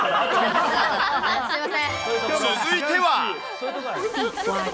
続いては。